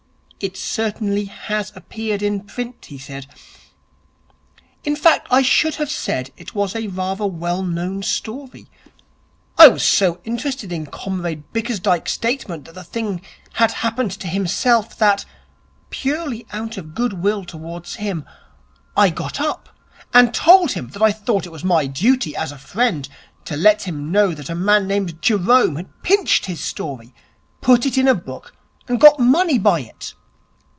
'It certainly has appeared in print,' he said. 'In fact I should have said it was rather a well known story. I was so interested in Comrade Bickersdyke's statement that the thing had happened to himself that, purely out of good will towards him, I got up and told him that I thought it was my duty, as a friend, to let him know that a man named Jerome had pinched his story, put it in a book, and got money by it.